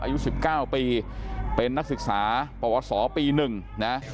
อายุ๑๙ปีเป็นนักศึกษาประวัติศาสตร์ปี๑นะฮะ